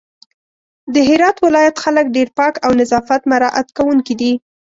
د هرات ولايت خلک ډېر پاک او نظافت مرعت کونکي دي